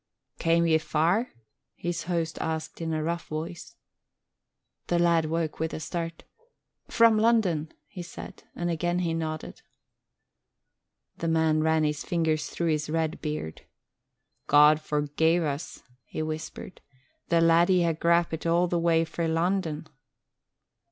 "Cam' ye far?" his host asked in a rough voice. The lad woke with a start. "From London," he said and again he nodded. The man ran his fingers through his red beard. "God forgie us!" he whispered. "The laddie ha grapit a' the way frae Lon'on."